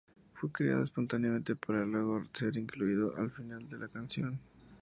Fue creado espontáneamente, para luego ser incluido al final de la canción.